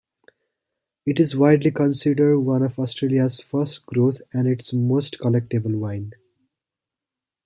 It is widely considered one of Australia's "first growth" and its most collectable wine.